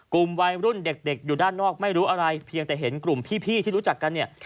กลุ่มวัยรุ่นเด็กอยู่ด้านนอกไม่รู้อะไรเพียงแต่เห็นกลุ่มพี่ที่รู้จักกันเนี่ย